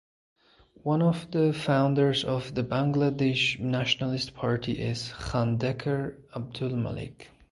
One of the founders of the Bangladesh Nationalist Party is Khandaker Abdul Malik.